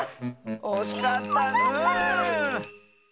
おしかったッス！